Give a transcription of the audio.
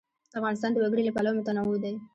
افغانستان د وګړي له پلوه متنوع دی.